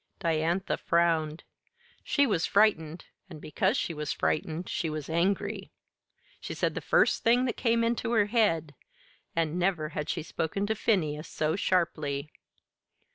Diantha frowned. She was frightened and because she was frightened she was angry. She said the first thing that came into her head and never had she spoken to Phineas so sharply.